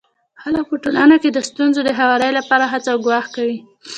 خلک په ټولنه کي د ستونزو د هواري لپاره هڅه او کوښښ کوي.